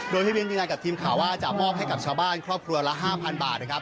โดยพี่เวียยืนยันกับทีมข่าวว่าจะมอบให้กับชาวบ้านครอบครัวละ๕๐๐บาทนะครับ